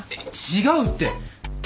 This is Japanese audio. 違うって！